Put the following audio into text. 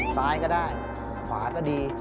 ซ้ายก็ได้ขวาก็ดี